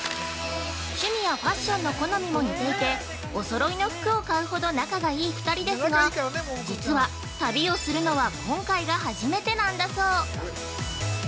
趣味やファッションの好みも似ていて、おそろいの服を買うほど仲がいい２人ですが実は旅をするのは今回が初めてなんだそう。